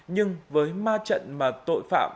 nhưng với ma trận mà tội phạm